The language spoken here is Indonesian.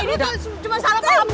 ini tuh cuma salah paham gue